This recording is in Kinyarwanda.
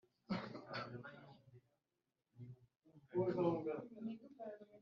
Kwigisha no gutegura bihagije abagenerwabikorwa mbere y uko ibikorwa bibageraho kubakirwa